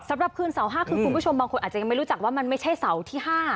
สำหรับคืนเสาร์๕คือคุณผู้ชมบางคนอาจจะยังไม่รู้จักว่ามันไม่ใช่เสาร์ที่๕